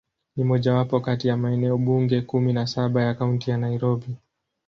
Ni mojawapo kati ya maeneo bunge kumi na saba ya Kaunti ya Nairobi.